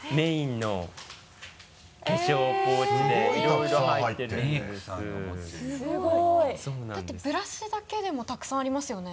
だってブラシだけでもたくさんありますよね。